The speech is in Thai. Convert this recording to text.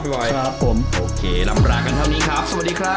บ่อยครับผมโอเคลำลากันเท่านี้ครับสวัสดีครับ